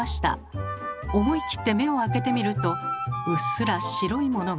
思い切って目を開けてみるとうっすら白いものが見えました。